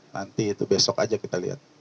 nanti itu besok aja kita lihat